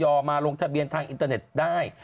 มาลงทะเบียนทางอินเตอร์เน็ตได้